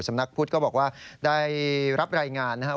สำนักพุทธก็บอกว่าได้รับรายงานนะครับ